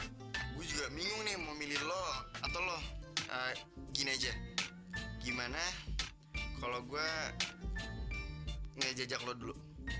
gimana ya gue juga bingung nih mau milih lo atau loh gini aja gimana kalau gua ngajak lo dulu